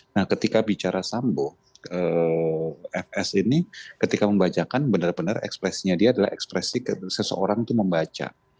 nah ketika bicara sambo fs ini ketika membacakan benar benar ekspresinya dia adalah ekspresi seseorang itu membaca